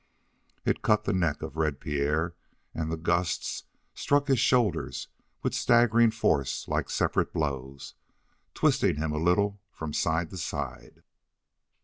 It cut the neck of Red Pierre, and the gusts struck his shoulders with staggering force like separate blows, twisting him a little from side to side.